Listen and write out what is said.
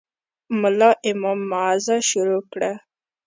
ملا امام موعظه شروع کړه.